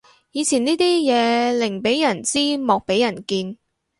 以前呢啲嘢寧俾人知莫俾人見